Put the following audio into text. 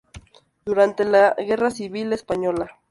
Durante la Guerra Civil española.